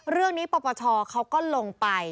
เรื่องนี้ปปชเขาก็ลงไป